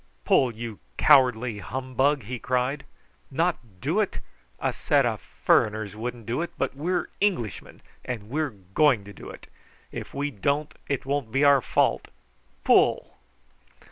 "Pull, you cowardly humbug!" he cried. "Not do it? A set of furriners wouldn't do it; but we're Englishmen, and we're going to do it. If we don't, it won't be our fault. Pull!"